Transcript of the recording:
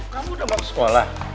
kamu sudah mau ke sekolah